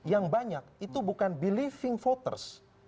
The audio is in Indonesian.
yang banyak itu bukan deliving voters